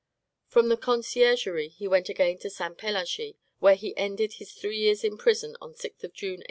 From the Conciergerie he went again to Sainte Pelagie, where he ended his three years in prison on the 6th of June, 1852.